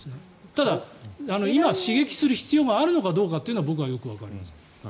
ただ、今刺激する必要があるのかどうかは僕はよくわかりません。